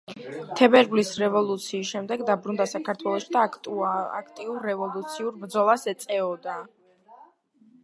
თებერვლის რევოლუციის შემდეგ დაბრუნდა საქართველოში და აქტიურ რევოლუციურ ბრძოლას ეწეოდა.